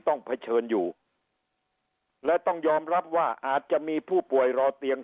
เผชิญอยู่และต้องยอมรับว่าอาจจะมีผู้ป่วยรอเตียง